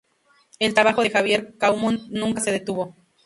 El trabajo de Javier Caumont nunca se detuvo.